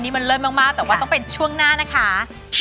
อันนี้มันเริ่มมากมากแต่ว่าต้องเป็นช่วงหน้านะคะ